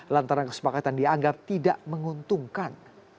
lantaran kesepakatan dianggap tidak menguntungkan